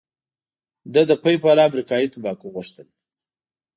ده د پیپ والا امریکايي تمباکو غوښتل.